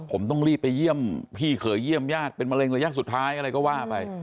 ผมต้องรีบไปเยี่ยมพี่เขยเยี่ยมญาติเป็นมะเร็งระยะสุดท้ายอะไรก็ว่าไป